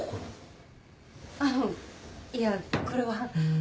あのいやこれは。